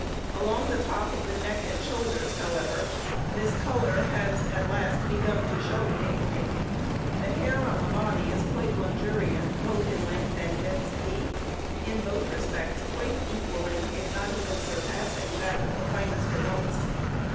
Along the top of the neck and shoulders, however, this color has at last begun to show faintly. The hair on the body is quite luxuriant, both in length and density, in both respects quite equaling, if not even surpassing, that of the finest adults.